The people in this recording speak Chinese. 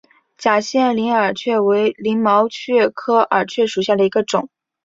假线鳞耳蕨为鳞毛蕨科耳蕨属下的一个种。